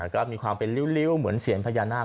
ก็มีความเป็นริ้วเหมือนเสียญพญานาค